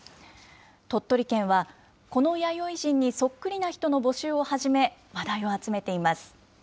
鳥取県は、この弥生人にそっくりな人の募集を始め、話題を集めています。